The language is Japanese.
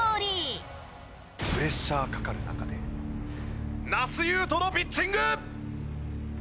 プレッシャーかかる中で那須雄登のピッチング！